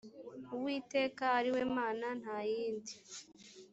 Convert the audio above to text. uwiteka ari we mana nta yindi